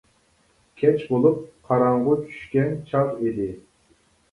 كەچ بولۇپ قاراڭغۇ چۈشكەن چاغ ئىدى.